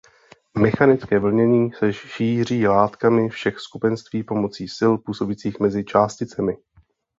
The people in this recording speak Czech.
Mechanické vlnění se šíří látkami všech skupenství pomocí sil působících mezi částicemi.